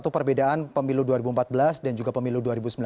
pemilu dua ribu empat belas dan pemilu dua ribu sembilan belas